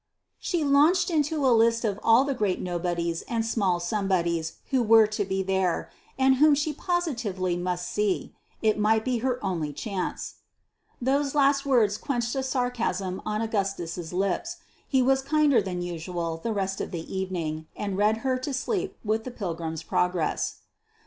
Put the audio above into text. She launched into a list of all the great nobodies and small somebodies who were to be there, and whom she positively must see: it might be her only chance. Those last words quenched a sarcasm on Augustus' lips. He was kinder than usual the rest of the evening, and read her to sleep with the Pilgrim's Progress.